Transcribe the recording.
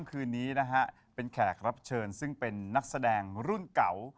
คืนนี้นะฮะเป็นแขกรับเชิญซึ่งเป็นนักแสดงรุ่นเก่า